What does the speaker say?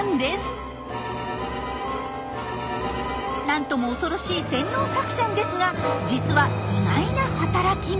なんとも恐ろしい洗脳作戦ですが実は意外な働きも。